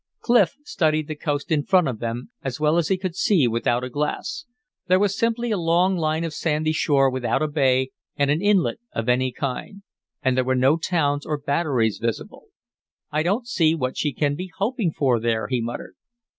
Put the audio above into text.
Clif studied the coast in front of them, as well as he could see without a glass; there was simply a long line of sandy shore without a bay or an inlet of any kind. And there were no towns or batteries visible. "I don't see what she can be hoping for there," he muttered.